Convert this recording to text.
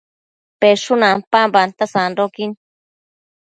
peshun ampambanta sandoquin